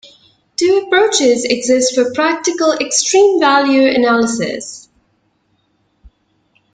Two approaches exist for practical extreme value analysis.